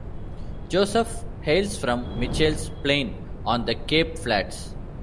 Josephs hails from Mitchell's Plain on the Cape Flats.